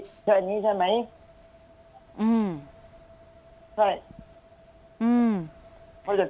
เขาจะเจอยากครับ